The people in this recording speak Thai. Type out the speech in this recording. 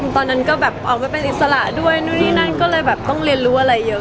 ตอนนั้นก็ออกไปประมาณอิสระด้วยหนูนี่นั่นก็เลยต้องเรียนรู้อะไรเยอะ